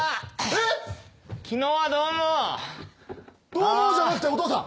「どうも」じゃなくてお父さん。